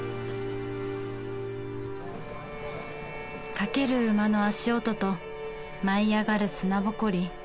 駆ける馬の足音と舞い上がる砂埃。